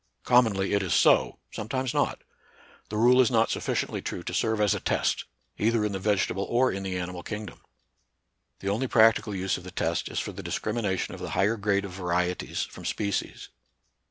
Commonly it is so, sometimes not. The rule is not sufficiently true to serve as a test, either in the vegetable or in the animal kingdom. The only practical use of the test is for the discrimination of the higher grade of varieties from species.